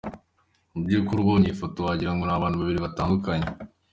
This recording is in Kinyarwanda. Mubyukuri ubonye iyi foto wagira ngo ni abantu babiri batandukanye.